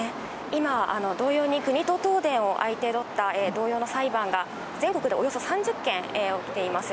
今、同様に国と東電を相手取った、同様の裁判が全国でおよそ３０件起きています。